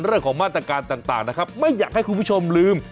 เรื่องของมาตรการต่างนะครับไม่อยากให้คุณผู้ชมลืม